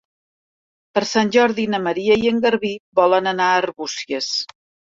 Per Sant Jordi na Maria i en Garbí volen anar a Arbúcies.